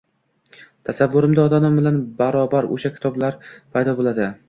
tasavvurimda ota-onam bilan bab-barobar o‘sha kitoblar paydo bo‘ladi.